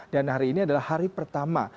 dan hari ini adalah hari pertama